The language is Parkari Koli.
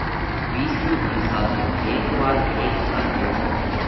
وِيسُو ان ساڌُو: هيڪ وار هيڪ ساڌُو